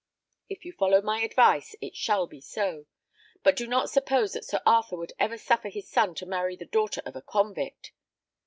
If you follow my advice, it shall be so; but do not suppose that Sir Arthur would ever suffer his son to marry the daughter of a convict.